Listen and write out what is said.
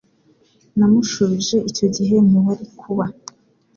Namushubije icyo gihe ntiwari kuba